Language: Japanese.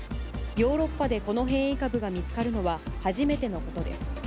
ヨーロッパでこの変異株が見つかるのは初めてのことです。